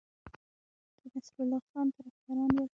د نصرالله خان طرفداران ول.